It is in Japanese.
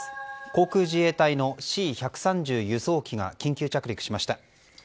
航空自衛隊のＣ１３０輸送機が緊急着陸しました。